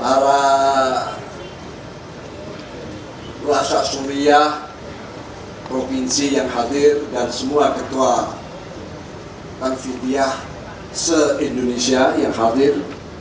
para lazak suriah provinsi yang hadir dan semua ketua tanfitiyah se indonesia yang hadir